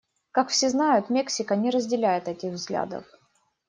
Как все знают, Мексика не разделяет этих взглядов.